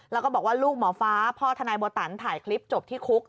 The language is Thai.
แล้วก็บอกว่าลูกหมอฟ้าพ่อทนายโบตันถ่ายคลิปจบที่คุก